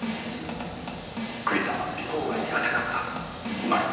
栗田は尾行が苦手なのだまる。